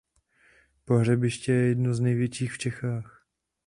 Pohřebiště je jedno z největších v Čechách.